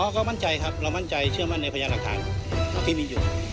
ก็มั่นใจครับเรามั่นใจเชื่อมั่นในพยานหลักฐานที่มีอยู่